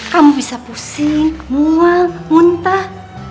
kamu bisa pusing mual muntah